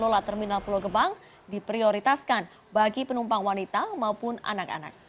pengelola terminal pulau gebang diprioritaskan bagi penumpang wanita maupun anak anak